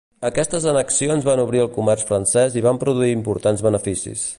Aquestes annexions van obrir el comerç francès i van produir importants beneficis.